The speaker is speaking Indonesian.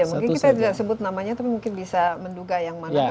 ya mungkin kita tidak sebut namanya tapi mungkin bisa menduga yang mana